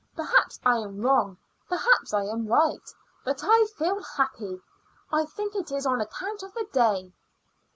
Perhaps I am wrong, perhaps I am right, but I feel happy. I think it is on account of the day."